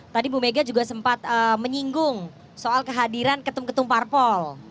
tadi bu mega juga sempat menyinggung soal kehadiran ketum ketum parpol